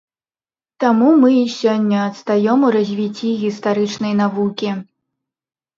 Таму мы і сёння адстаём у развіцці гістарычнай навукі.